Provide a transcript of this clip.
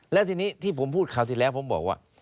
แล้วทีนี้ที่ผมพูดคราวที่แล้วผมบอกว่า